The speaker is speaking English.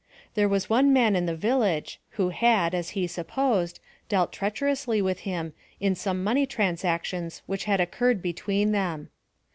There was one man in the village, who had, as he supposed, dealt treacherously witli him, in some money transactions which had occurred between them.